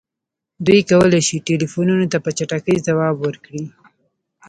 دوی کولی شي ټیلیفونونو ته په چټکۍ ځواب ورکړي